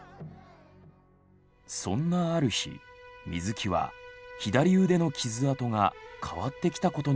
そんなある日水木は左腕の傷痕が変わってきたことに気が付いた。